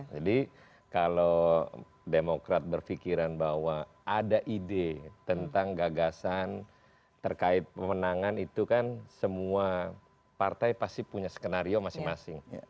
jadi kalau demokrat berpikiran bahwa ada ide tentang gagasan terkait pemenangan itu kan semua partai pasti punya skenario masing masing